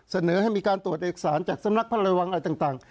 เสนอให้มีการตรวจเอกสารจากสำนักพระราชวังอะไรต่าง